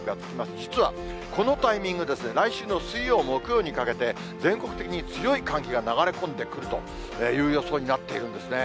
実は、このタイミングでですね、来週の水曜、木曜にかけて、全国的に強い寒気が流れ込んでくるという予想になっているんですね。